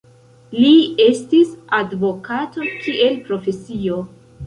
Li estis advokato kiel profesio.